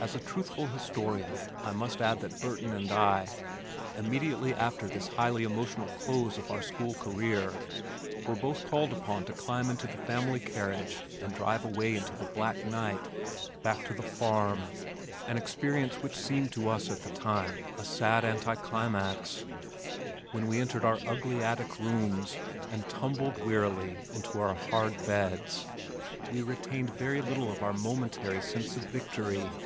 As a truthful historian, I must add that Burton and I, immediately after this highly emotional close of our school career, were both called upon to climb into the family carriage and drive away into the black night, back to the farm, an experience which seemed to us at the time a sad anticlimax. When we entered our ugly attic rooms and tumbled wearily into our hard beds, we retained very little of our momentary sense of victory.